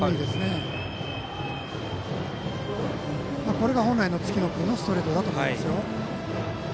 これが本来の月野君のストレートだと思います。